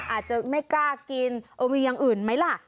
อาจจะไม่กล้ากินเออมีอย่างอื่นไหมล่ะ